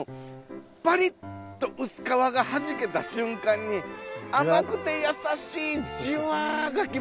パリっと薄皮がはじけた瞬間に甘くてやさしいじゅわ！がきますね。